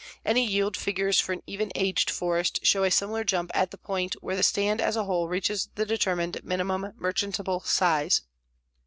Any yield figures for an even aged forest show a similar jump at the point where the stand as a whole reaches the determined minimum merchantable size.